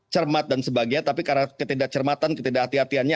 cermat dan sebagainya tapi karena ketidak cermatan ketidak hati hatiannya